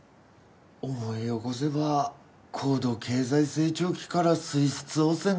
思い起こせば高度経済成長期から水質汚染が始まって。